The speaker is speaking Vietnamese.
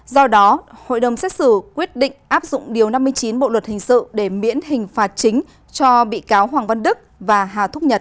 do đó hội đồng xét xử quyết định áp dụng điều năm mươi chín bộ luật hình sự để miễn hình phạt chính cho bị cáo hoàng văn đức và hà thúc nhật